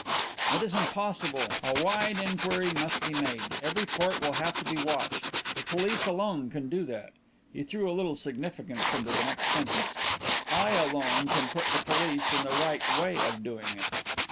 "It is impossible. A wide inquiry must be made. Every port will have to be watched. The police alone can do that." He threw a little significance into the next sentence. "I alone can put the police in the right way of doing it."